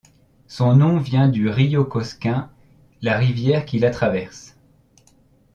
Son nom vient du Rio Cosquín, la rivière qui la traverse.